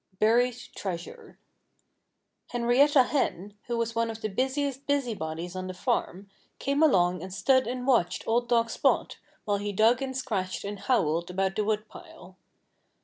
VI BURIED TREASURE Henrietta Hen, who was one of the busiest busybodies on the farm, came along and stood and watched old dog Spot while he dug and scratched and howled about the woodpile.